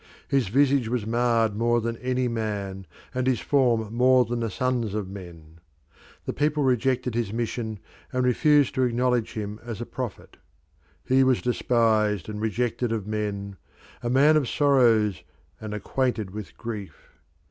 "His visage was marred more than any man, and his form more than the sons of men." The people rejected his mission and refused to acknowledge him as a prophet. "He was despised and rejected of men, a man of sorrows and acquainted with grief."